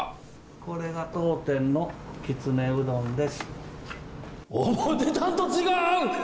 これが当店のきつねうどんです。